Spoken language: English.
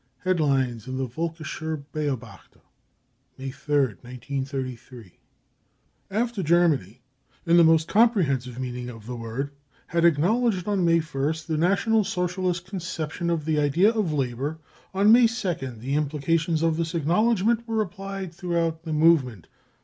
35 (Headlines in the Volkischer Beohachter , May 3rd, 1933.) " After Germany , in the most comprehensive meaning of the word, had acknowledged \>n May 1st the National Socialist conception of the idea of c Labour, 3 on May 2nd the implications of this acknowledgment were applied throughout the movement.